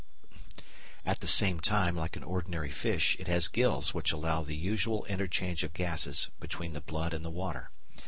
At the same time, like an ordinary fish, it has gills which allow the usual interchange of gases between the blood and the water.